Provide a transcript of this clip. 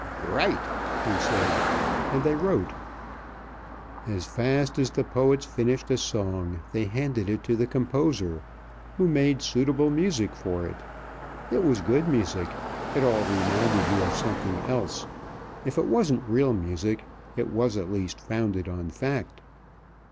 "Write!" he said, and they wrote. As fast as the poets finished a song, they handed it to the composer, who made suitable music for it. It was good music it all reminded you of something else. If it wasn't real music, it was at least founded on fact.